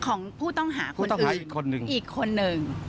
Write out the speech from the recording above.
ของผู้ต้องหาคนอื่นผู้ต้องหาอีกคนหนึ่ง